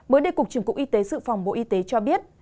mới đây cục trưởng cục y tế sự phòng bộ y tế cho biết